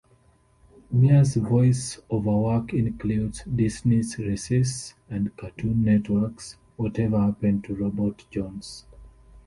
Mer's voice-over work includes "Disney's Recess" and Cartoon Network's "Whatever Happened to Robot Jones"